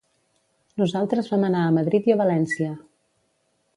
Nosaltres vam anar a Madrid i a València.